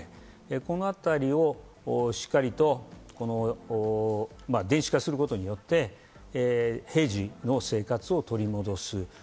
このあたりをしっかりと電子化することによって、平時の生活を取り戻す。